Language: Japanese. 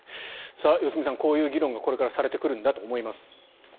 良純さん、こういう議論がこれからされてくるんだと思います。